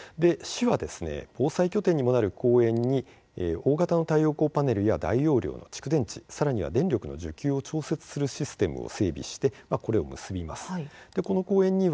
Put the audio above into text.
市は防災拠点にもなる公園に大型の太陽光パネルや大容量の蓄電池さらに、電力の受給を調整するシステムを整備してこれを結びます。